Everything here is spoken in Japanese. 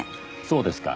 そうですか。